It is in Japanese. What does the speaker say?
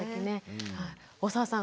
大沢さん